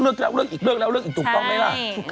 เออนั่นอย่างที่เขาไม่รู้เหรอ